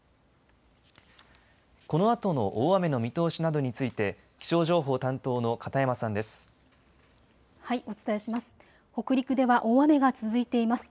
このあとの大雨の見通しなどについて気象情報担当の片山さんです。